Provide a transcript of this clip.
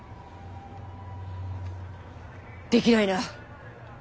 できないな。